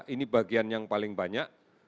ini bagian yang paling banyak